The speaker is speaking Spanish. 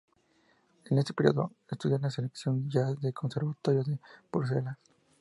En este periodo, estudia en la sección de jazz del conservatorio de Bruselas.